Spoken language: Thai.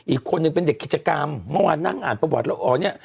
อีกคนนึงเป็นเด็กกิจกรรมเมื่อวานนั่งอ่านประวัติ